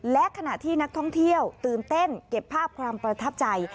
และขณะที่นักท่องเที่ยวตื่นเต้นเก็บภาพความประทับใจ